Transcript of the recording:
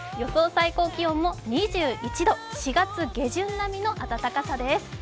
最高気温も２１度、４月下旬並みの暖かさです。